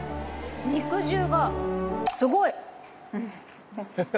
肉汁がすごい。